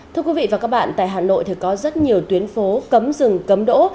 thưa quý vị và các bạn tại hà nội thì có rất nhiều tuyến phố cấm rừng cấm đỗ